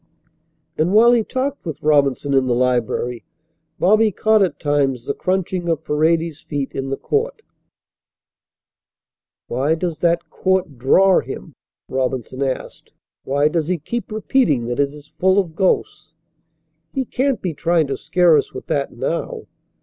And while he talked with Robinson in the library Bobby caught at times the crunching of Paredes's feet in the court. "Why does that court draw him?" Robinson asked. "Why does he keep repeating that it is full of ghosts? He can't be trying to scare us with that now."